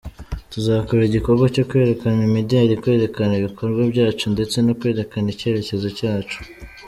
Tuzakora igikorwa cyo kwerekana imideli, kwerekana ibikorwa byacu ndetse no kwerekana icyerekezo cyacu.